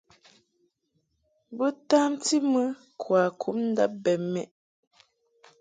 Bo tamti mɨ kwakum ndab bɛ mɛʼ.